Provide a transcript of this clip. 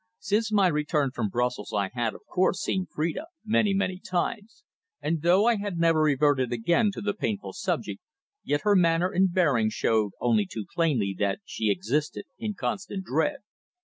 Since my return from Brussels I had, of course seen Phrida many, many times, and though I had never reverted again to the painful subject, yet her manner and bearing showed only too plainly that she existed in constant dread!